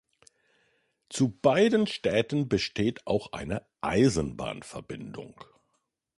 Zu beiden Städten besteht auch eine Eisenbahnverbindung.